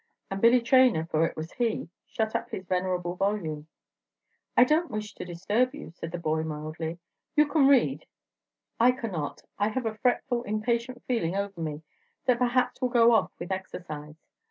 And Billy Traynor, for it was he, shut up his venerable volume. "I don't wish to disturb you," said the boy, mildly, "you can read. I cannot; I have a fretful, impatient feeling over me that perhaps will go off with exercise.